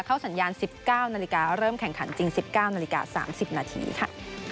สัญญาณ๑๙นาฬิกาเริ่มแข่งขันจริง๑๙นาฬิกา๓๐นาทีค่ะ